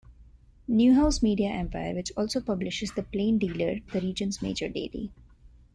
Newhouse media empire, which also publishes "The Plain Dealer", the region's major daily.